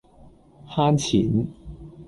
慳錢